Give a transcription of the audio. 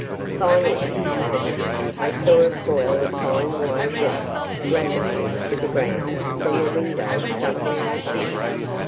Finally, however, I saw a coil of fine wire drop rapidly to the ground from a window somewhere above.